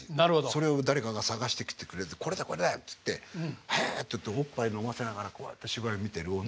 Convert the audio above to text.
それを誰かが探してきてくれてこれだよこれだよっつってへえっておっぱい飲ませながらこうやって芝居見てる女の人がちゃんと描かれてる。